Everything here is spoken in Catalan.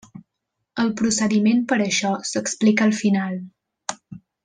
El procediment per això s'explica al final.